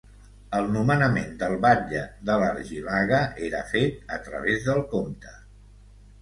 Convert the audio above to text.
El nomenament del batlle de l’Argilaga era fet a través del comte.